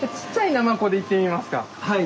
はい。